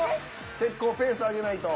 結構ペース上げないと。